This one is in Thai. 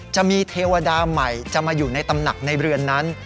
เทวดาใหม่จะมาอยู่ในตำหนักในเรือนนั้น